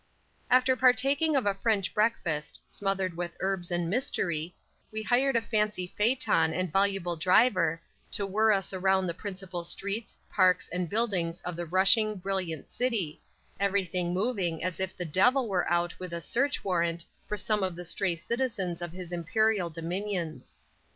After partaking of a French breakfast, smothered with herbs and mystery, we hired a fancy phaeton and voluble driver to whirr us around the principal streets, parks and buildings of the rushing, brilliant city, everything moving as if the devil were out with a search warrant for some of the stray citizens of his imperial dominions.